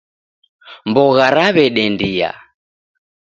Mbogha raw'edendia